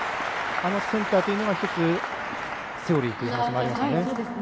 あのセンターというのが１つ、セオリーというお話もありましたね。